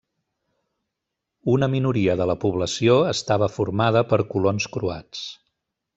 Una minoria de la població estava formada per colons croats.